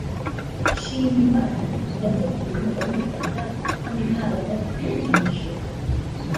Nshimimana yavuze ko afite umugabo w’umunyarwanda kandi nta wabatandukanyije